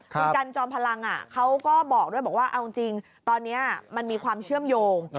คุณกันจอมพลังเขาก็บอกด้วยบอกว่าเอาจริงตอนนี้มันมีความเชื่อมโยง